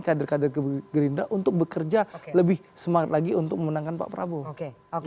kader kader gerindra untuk bekerja lebih semangat lagi untuk memenangkan pak prabowo oke oke